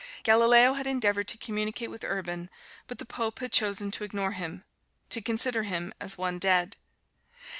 Galileo had endeavored to communicate with Urban, but the Pope had chosen to ignore him to consider him as one dead.